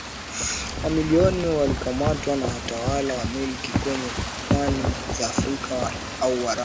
mamilioni walikamatwa na watawala wa milki kwenye pwani za Afrika au Waarabu